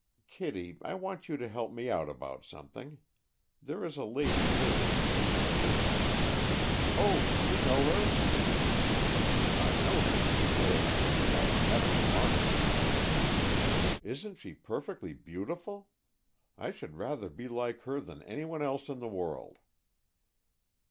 "Kittie, I want you to help me out about something. There is a lady visiting Miss Elliott " "Oh, do you know her?" "I know who she is. And I have met her once." "Isn't she perfectly beautiful? I should rather be like her than anyone else in the world."